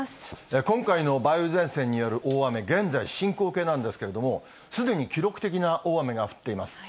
今回の梅雨前線による大雨、現在進行形なんですけれども、すでに記録的な大雨が降っています。